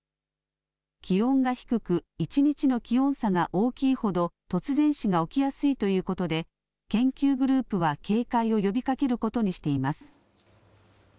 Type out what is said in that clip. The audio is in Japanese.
気温が低く、１日の気温差が大きいほど突然死が起きやすいということで、研究グループは警戒を呼びかけることにしています。